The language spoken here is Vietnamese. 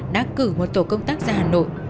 đã cử một tổ công tác ra hà nội